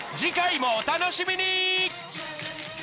次回もお楽しみに！